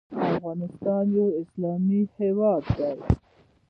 افغانستان یو اسلامي هیواد دی.